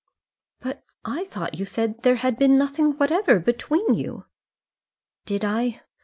"But I thought you said there had been nothing whatever between you." "Did I?